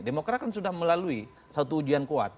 demokrat kan sudah melalui satu ujian kuat